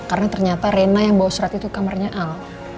karena ternyata rena yang bawa surat itu kamarnya al